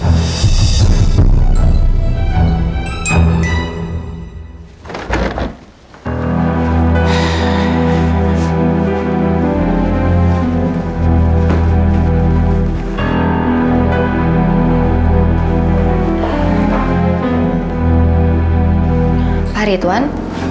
apa hari ituan